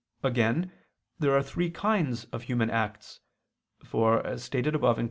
Again there are three kinds of human acts: for, as stated above (Q.